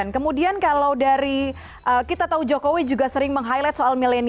kemudian kalau dari kita tahu jokowi juga sering meng highlight soal milenial